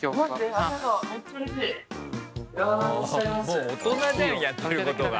もう大人じゃんやってることが。